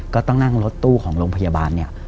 ก็ต้องนั่งรถตู้ของโรงพยาบาลเนี่ย